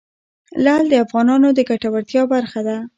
لعل د افغانانو د ګټورتیا برخه ده.